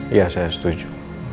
iya saya setuju